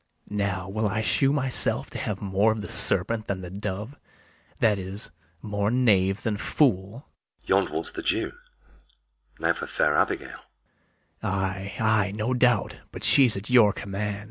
Now will I shew myself to have more of the serpent than the dove; that is, more knave than fool. [Aside.] LODOWICK. Yond' walks the Jew: now for fair Abigail. BARABAS. Ay, ay, no doubt but she's at your command.